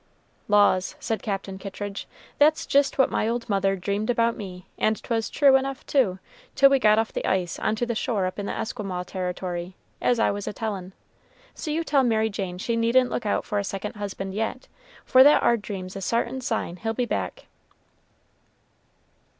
"Laws," said Captain Kittridge, "that's jist what my old mother dreamed about me, and 'twas true enough, too, till we got off the ice on to the shore up in the Esquimaux territory, as I was a tellin'. So you tell Mary Jane she needn't look out for a second husband yet, for that ar dream's a sartin sign he'll be back."